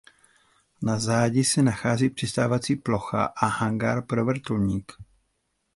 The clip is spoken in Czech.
Na zádi se nachází přistávací plocha a hangár pro vrtulník.